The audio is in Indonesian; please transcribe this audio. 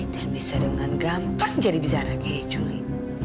dan bisa dengan gampang jadi bizarang kayak juli